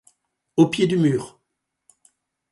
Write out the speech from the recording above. Au pied du mur !